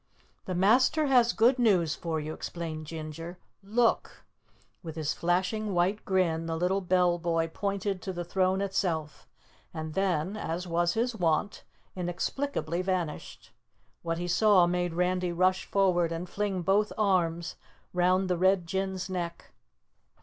"The Master has good news for you," explained Ginger. "LOOK!" With his flashing white grin the little bell boy pointed to the throne itself and then, as was his wont, inexplicably vanished. What he saw made Randy rush forward and fling both arms round the Red Jinn's neck.